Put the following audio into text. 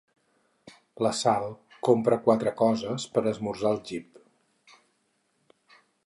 La Sal compra quatre coses per esmorzar al jeep.